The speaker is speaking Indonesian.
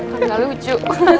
kalian gak lucu